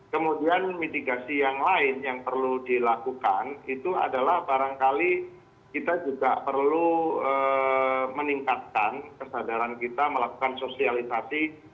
kemudian mitigasi yang lain yang perlu dilakukan itu adalah barangkali kita juga perlu meningkatkan kesadaran kita melakukan sosialisasi